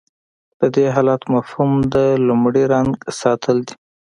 د دې حالت مفهوم د لومړي رنګ ساتل دي.